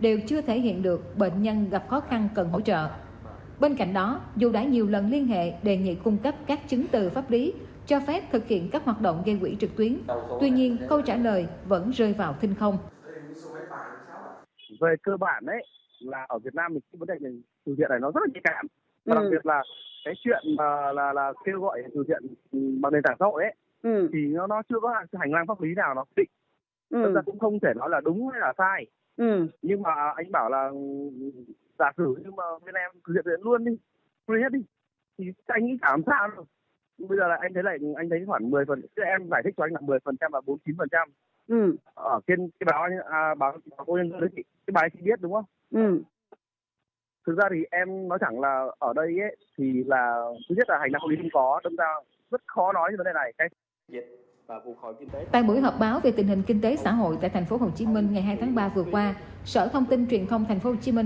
điều này cho thấy là con đường đến trường của những em nhỏ vẫn còn lắm rủi ro và nguy hiểm